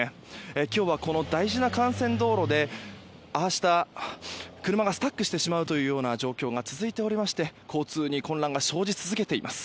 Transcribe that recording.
今日は、この大事な幹線道路でああした車がスタックしてしまう状況が続いておりまして交通に混乱が生じ続けています。